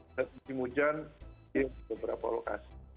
ada tim hujan di beberapa lokasi